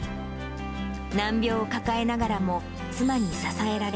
難病を抱えながらも、妻に支えられ、